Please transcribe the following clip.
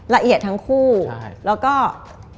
ระเอียดทั้งกัน